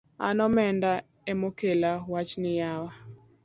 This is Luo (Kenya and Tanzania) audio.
An omenda emokelo wachni yawa